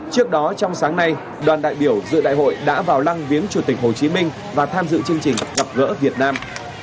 trước đó trong sáng nay đoàn đại biểu dự đại hội đã vào lăng viếng chủ tịch hồ chí minh và tham dự chương trình gặp gỡ việt nam